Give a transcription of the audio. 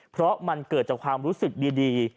เพราะมันเกิดจากความรู้สึกดี